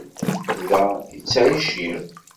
Da i ttεiceɣ.